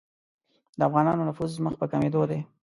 د افغانانو نفوذ مخ په کمېدلو دی.